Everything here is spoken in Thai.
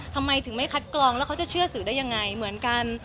ทำไมถึงไม่คัดกรองแล้วเขาจะเชื่อสื่อได้ยังไงเหมือนกัน